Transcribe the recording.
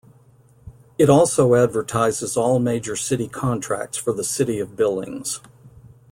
It also advertises all major city contracts for the City of Billings.